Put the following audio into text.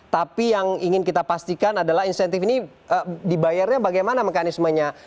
tapi yang ingin kita pastikan adalah insentif ini dibayarnya bagaimana mekanismenya